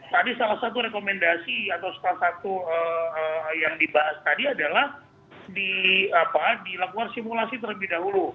tadi salah satu rekomendasi atau salah satu yang dibahas tadi adalah dilakukan simulasi terlebih dahulu